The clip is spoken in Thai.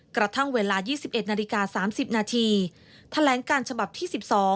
กระทั่งเวลา๒๑นาฬิกา๓๐นาทีแถลงการฉบับที่๑๒